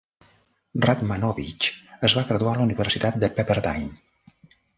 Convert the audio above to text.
Radmanovich es va graduar a la Universitat de Pepperdine.